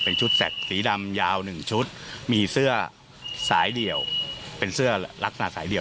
เป็นชุดแท็กสีดำยาว๑ชุดมีเสื้อสายเดี่ยวเป็นเสื้อลักษณะสายเดี่ยว